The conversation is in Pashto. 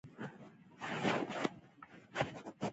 احمد برېت په خمچه اړوي.